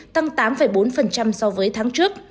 tăng tám bốn so với tháng trước